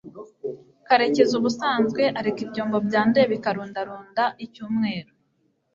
karekezi ubusanzwe areka ibyombo byanduye bikarundarunda icyumweru